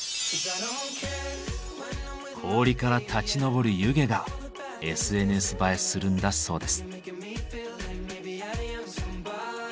氷から立ち上る湯気がＳＮＳ映えするんだそうです。